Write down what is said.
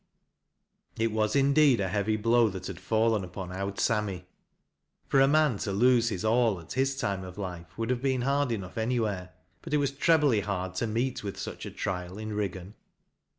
It was indeed a heavy blow that had fallen upon " Owd Sammy." For a man to lose his all at his time of life would have been hard enough anywhere ; but it was trebly hard to meet with such a trial in Riggan.